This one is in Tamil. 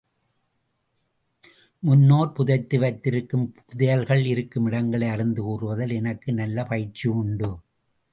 முன்னோர் புதைத்து வைத்திருக்கும் புதையல்கள் இருக்கும் இடங்களை அறிந்து கூறுவதில் எனக்கு நல்ல பயிற்சி உண்டு.